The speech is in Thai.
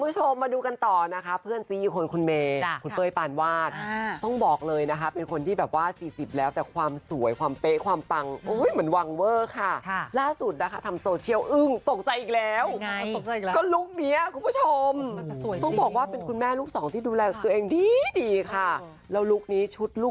จะเป็นทันเท่ากับเพื่อนอะไรแบบนี้